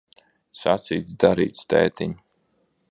Sacīts, darīts, tētiņ.